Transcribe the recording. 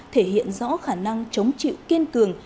thể hiện rõ khả năng chống chịu kiên cường